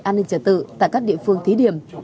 an ninh trả tự tại các địa phương thí điểm